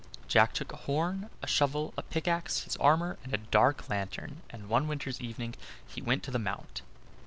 Jack took a horn, a shovel, a pickaxe, his armor, and a dark lantern, and one winter's evening he went to the mount.